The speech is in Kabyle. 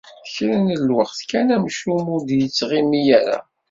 Kra n lweqt kan, amcum ur d-ittɣimi ara.